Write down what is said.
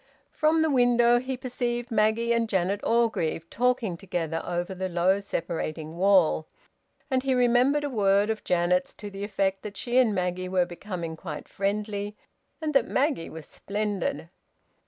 From the window he perceived Maggie and Janet Orgreave talking together over the low separating wall. And he remembered a word of Janet's to the effect that she and Maggie were becoming quite friendly and that Maggie was splendid.